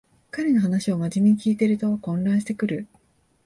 彼の話をまじめに聞いてると混乱してくる